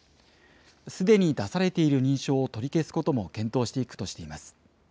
すでに出されている認証を取り消すことも検討していくとしています。